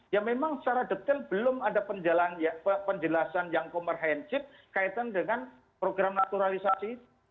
ya memang secara detail belum ada penjelasan yang komprehensif kaitan dengan program naturalisasi